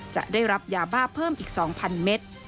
จะได้รับยาบ้าเพิ่มอีก๒๐๐เมตร